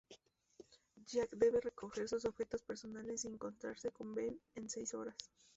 Jack debe recoger sus objetos personajes y encontrarse con Ben en seis horas.